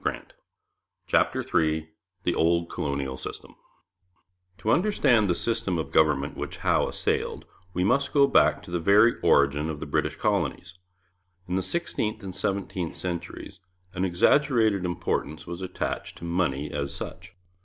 CHAPTER III THE OLD COLONIAL SYSTEM To understand the system of government which Howe assailed, we must go back to the very origin of the British colonies. In the sixteenth and seventeenth centuries an exaggerated importance was attached to money as such.